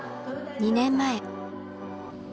２年前。